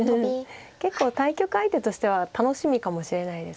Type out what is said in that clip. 結構対局相手としては楽しみかもしれないです